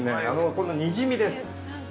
このにじみです。